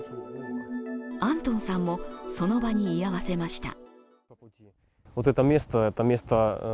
アントンさんもその場に居合わせました。